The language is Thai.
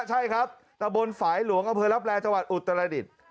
ใช่ครับตะบนฝ่ายหลวงอำเภอรับแรจังหวัดอุตรดิษฐ์